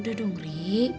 udah dong ri